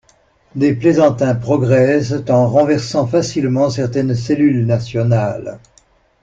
Des plaisantins progressent en renversant facilement certaines cellules nationales.